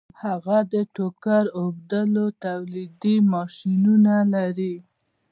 هغه د ټوکر اوبدلو تولیدي ماشینونه لري